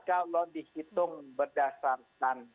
kalau dihitung berdasarkan